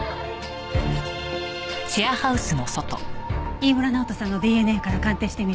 飯村直人さんのＤＮＡから鑑定してみる。